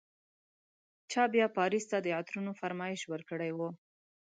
چا بیا پاریس ته د عطرونو فرمایش ورکړی و.